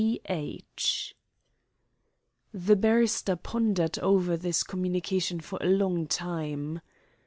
D.H." The barrister pondered over this communication for a long time.